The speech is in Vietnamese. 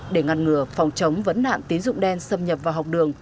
để ngăn ngừa phòng chống vấn nạn tín dụng đen xâm nhập vào học đường